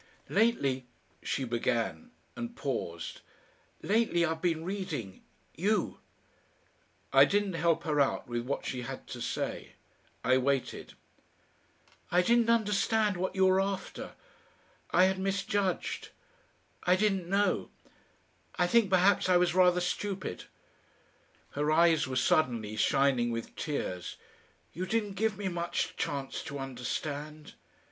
"Lately," she began, and paused. "Lately I've been reading you." I didn't help her out with what she had to say. I waited. "I didn't understand what you were after. I had misjudged. I didn't know. I think perhaps I was rather stupid." Her eyes were suddenly shining with tears. "You didn't give me much chance to understand."